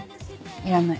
いらない。